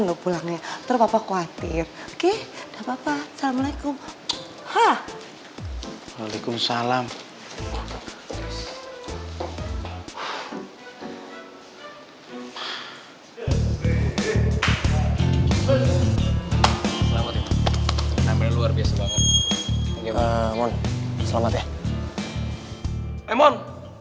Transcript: lu lah anak aja klub men